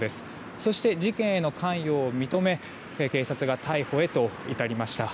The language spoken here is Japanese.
そして、事件への関与を認め警察が逮捕へと至りました。